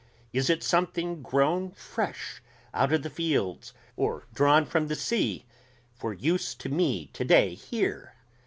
Is it something grown fresh out of the fields or drawn from the sea for use to me today here?